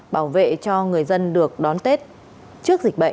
bảo vệ cho người dân được đón tết trước dịch bệnh